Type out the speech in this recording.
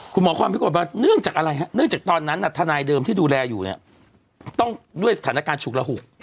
คุณหมอความพิกัดว่าเนื่องจากตอนนั้นน่ะทนายเดิมที่ดูแลอยู่ต้องด้วยสถานการณ์ฉุกละหุด